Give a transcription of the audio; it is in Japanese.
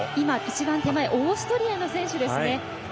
一番手前はオーストリアの選手ですね。